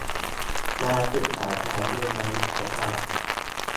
มาปรึกษาหารือในสภา